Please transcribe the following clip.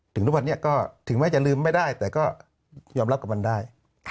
ถึงทุกวันนี้ก็ถึงแม้จะลืมไม่ได้แต่ก็ยอมรับกับมันได้